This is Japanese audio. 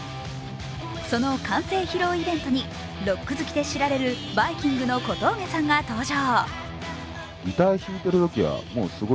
その完成披露イベントにロック好きで知られるバイきんぐの小峠さんが登場。